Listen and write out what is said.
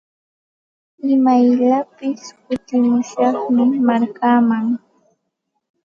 Imayllapis kutimushaqmi markaaman.